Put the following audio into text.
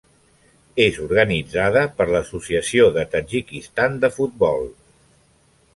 És organitzada per l'Associació de Tadjikistan de futbol.